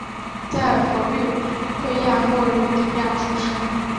在佛律癸亚或吕底亚出生。